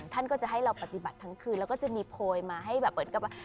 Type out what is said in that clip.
ท่านก็จะให้เราปฏิบัติทั้งคืนแล้วก็จะมีโพยมาให้แบบ